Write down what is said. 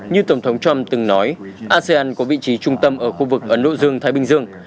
như tổng thống trump từng nói asean có vị trí trung tâm ở khu vực ấn độ dương thái bình dương